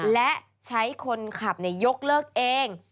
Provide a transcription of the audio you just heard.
และใช้คนขับยกเลิกเอง